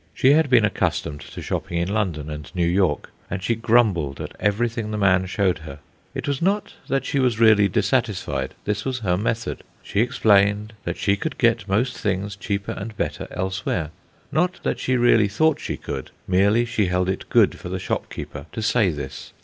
She had been accustomed to shopping in London and New York, and she grumbled at everything the man showed her. It was not that she was really dissatisfied; this was her method. She explained that she could get most things cheaper and better elsewhere; not that she really thought she could, merely she held it good for the shopkeeper to say this.